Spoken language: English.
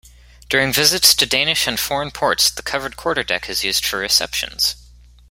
During visits to Danish and foreign ports the covered quarterdeck is used for receptions.